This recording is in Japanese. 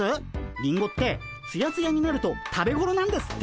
リンゴってツヤツヤになると食べごろなんですって。